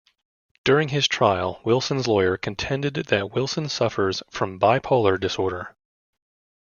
During his trial, Wilson's lawyer contended that Wilson suffers from bipolar disorder.